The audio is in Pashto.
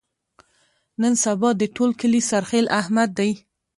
نن سبا د ټول کلي سرخیل احمد دی.